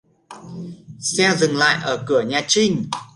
Xe dừng lại ở cửa nhà Trinh